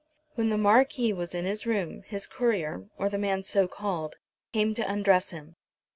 When the Marquis was in his room, his courier, or the man so called, came to undress him.